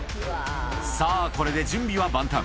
さあ、これで準備は万端。